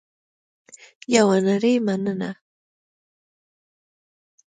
یوه نړۍ مننه